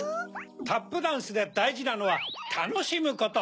タップダンスでだいじなのはたのしむこと。